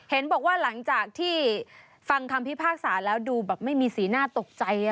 เห็นบอกว่าหลังจากที่ฟังคำพิพากษาแล้วดูแบบไม่มีสีหน้าตกใจ